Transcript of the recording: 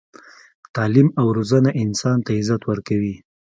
تعلیم او روزنه انسان ته عزت ورکوي.